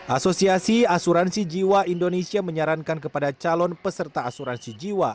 asosiasi asuransi jiwa indonesia menyarankan kepada calon peserta asuransi jiwa